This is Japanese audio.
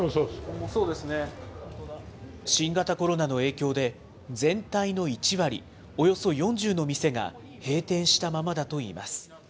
新型コロナの影響で、全体の１割、およそ４０の店が閉店したままだといいます。